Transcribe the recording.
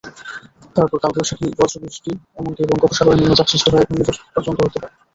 তারপর কালবৈশাখী, বজ্রবৃষ্টি, এমনকি বঙ্গোপসাগরে নিম্নচাপ সৃষ্টি হয়ে ঘূর্ণিঝড় পর্যন্ত হতে পারে।